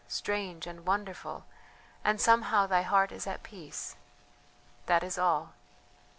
strange and wonderful, and somehow thy heart is at peace.... That is all."